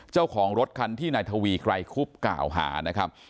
เจ้าของรถคันที่นายทวีไกรคุบกล่าวหานะครับ